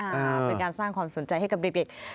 เป็นการสร้างความสนใจให้กับเด็ก